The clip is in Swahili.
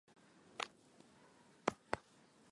taratibu za kufuata kupika pilau